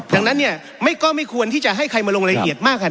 ดังนั้นเนี่ยก็ไม่ควรที่จะให้ใครมาลงละเอียดมากค่ะ